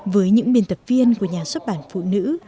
với những biên tập viên của nhà xuất bản phụ nữ